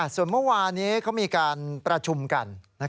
ส่วนเมื่อวานี้เขามีการประชุมกัน